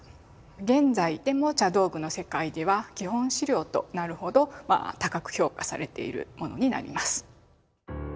現在でも茶道具の世界では基本資料となるほど高く評価されているものになります。